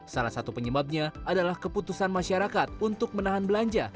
salah satu penyebabnya adalah keputusan masyarakat untuk menahan belanja